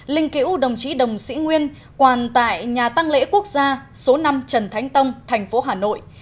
linh cữu đồng chí đồng sĩ nguyên quàn tại nhà tăng lễ quốc gia số năm trần thánh tông thành phố hà nội